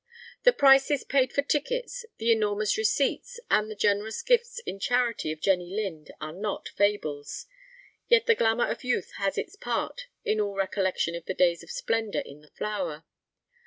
The prices paid for tickets, the enormous receipts, and the generous gifts in charity of Jenny Lind are not fables. Yet the glamour of youth has its part in all recollection of the days of splendor in the flower.